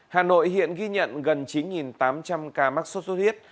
hà nội hiện ghi nhận gần chín tám trăm linh ca mắc sốt xuất huyết